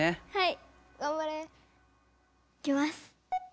はい。